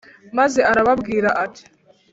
Maze arababwira ati